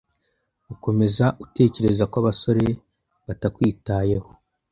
gukomeza utekerezako abasore batakwitayeho,